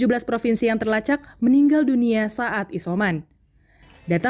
kesulitan saat menjalani isolasi